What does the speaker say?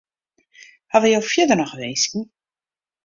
Hawwe jo fierder noch winsken?